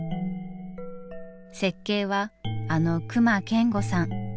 設計はあの隈研吾さん。